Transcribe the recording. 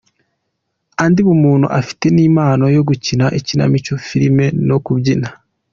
Andy Bumuntu afite n’impano yo gukina Ikinamico, filime no kubyina.